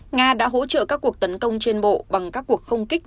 nga đã hỗ trợ các cuộc tấn công trên bộ bằng các cuộc không kích